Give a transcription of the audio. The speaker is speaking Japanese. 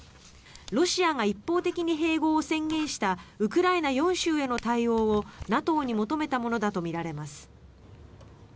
ロシアが一方的に併合を宣言したウクライナ４州への対応をＮＡＴＯに求めたものだとみられます。